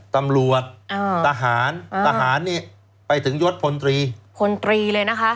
ตำรวจอ่าทหารอ่าทหารทหารนี่ไปถึงยศพลตรีพลตรีเลยนะคะ